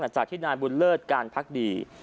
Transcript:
จากที่นายบุญเลิศการพักดี